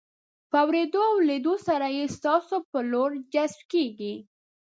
په اورېدو او لیدو سره یې ستاسو په لور جذب کیږي.